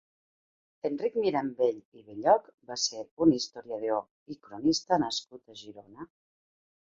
Enric Mirambell i Belloc va ser un historiador i cronista nascut a Girona.